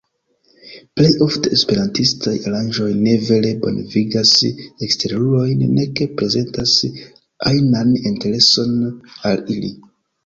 Plej ofte esperantistaj aranĝoj ne vere bonvenigas eksterulojn, nek prezentas ajnan intereson al ili.